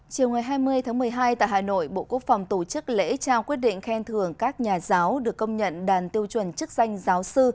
chiều ngày hai mươi tháng một mươi hai tại hà nội bộ quốc phòng tổ chức lễ trao quyết định khen thưởng các nhà giáo được công nhận đàn tiêu chuẩn chức danh giáo sư